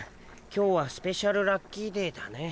今日はスペシャルラッキーデーだね。